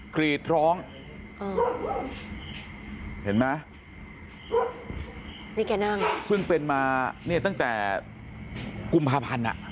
กรีดร้องเห็นไหมนี่แกนั่งซึ่งเป็นมาเนี่ยตั้งแต่กุมภาพันธ์อ่ะ